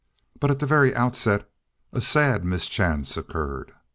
But at the very outset a sad mischance occurred.